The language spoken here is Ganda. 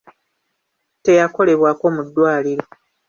Teyakolebwako mu ddwaliro.